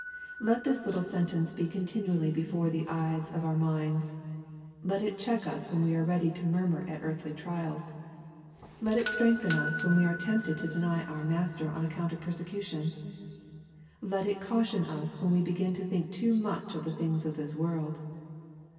Let this little sentence be continually before the eyes of our minds. Let it check us when we are ready to murmur at earthly trials. Let it strengthen us when we are tempted to deny our Master on account of persecution. Let it caution us when we begin to think too much of the things of this world.